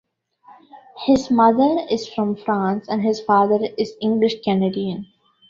His mother is from France and his father is English Canadian.